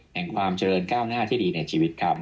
ความเจริญก้าวหน้าที่ดีในชีวิตครับ